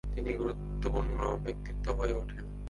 তিনি গুরুত্বপূর্ণ ব্যক্তিত্ব হয়ে উঠেন।